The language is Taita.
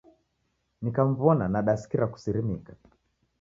Nikamw'ona nadasikira kusirimika..